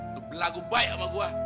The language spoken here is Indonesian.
lu belagu baik sama gue